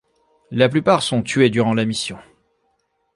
La plupart sont tués durant la mission.